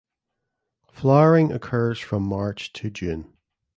Flowering occurs from March to June.